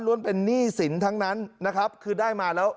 เป็นหนี้สินทั้งนั้นนะครับคือได้มาแล้ว